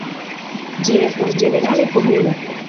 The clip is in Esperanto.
Ĝi estas ĝenerale komuna.